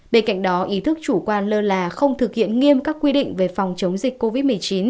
bên cạnh đó ý thức chủ quan lơ là không thực hiện nghiêm các quy định về phòng chống dịch covid một mươi chín